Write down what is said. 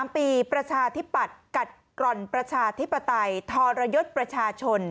๗๓ปีประชาธิบัติกัดกรรณประชาธิบัติทรยศประชาชน